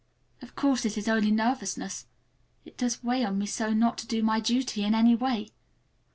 Of course it is only nervousness. It does weigh on me so not to do my duty in any way!